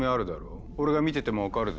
俺が見てても分かるぞ。